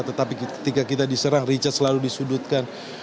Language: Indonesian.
tetapi ketika kita diserang richard selalu disudutkan